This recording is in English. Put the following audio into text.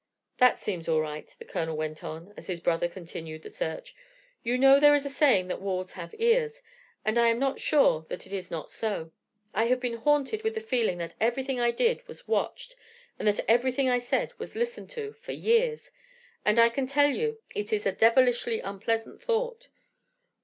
That seems all right," the Colonel went on, as his brother continued the search. "You know there is a saying that walls have ears, and I am not sure that it is not so. I have been haunted with the feeling that everything I did was watched, and that everything I said was listened to for years; and I can tell you it is a devilishly unpleasant thought.